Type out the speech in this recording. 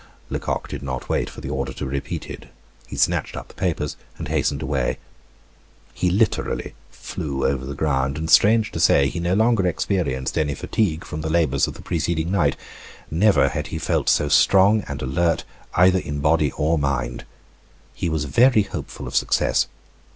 Lecoq did not wait for the order to be repeated. He snatched up the papers, and hastened away. He literally flew over the ground, and strange to say he no longer experienced any fatigue from the labors of the preceding night. Never had he felt so strong and alert, either in body or mind. He was very hopeful of success.